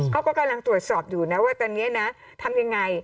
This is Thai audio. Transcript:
เขาก็กำลังตรวจสอบอยู่นะว่าตอนนี้นะทำยังไง